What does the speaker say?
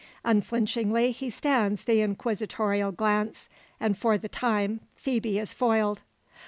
Unflinchingly he stands the inquisitorial glance, and for the time Phoebe is foiled.